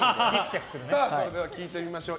それでは聞いてみましょう。